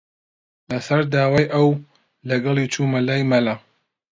لەسەر داوای ئەو، لەگەڵی چوومە لای مەلا